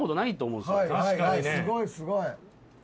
すごいすごい。